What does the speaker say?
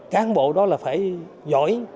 cán bộ đó là phải giỏi